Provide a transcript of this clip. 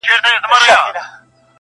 ستا موسکي موسکي نظر کي ,